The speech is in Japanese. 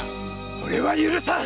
俺は許さん！